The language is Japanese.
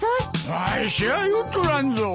わしは酔っとらんぞ。